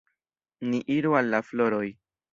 Ni iru al la floroj.